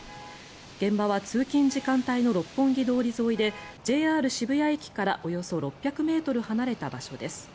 現場は通勤時間帯の六本木通り沿いでＪＲ渋谷駅からおよそ６００ｍ離れた場所です。